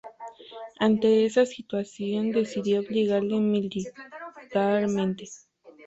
Ante esa situación, decidió obligarle militarmente.